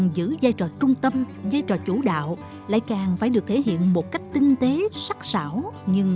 giữ giai trò trung tâm giai trò chủ đạo lại càng phải được thể hiện một cách tinh tế sắc xảo nhưng